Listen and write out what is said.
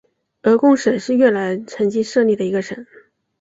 鹅贡省是越南曾经设立的一个省。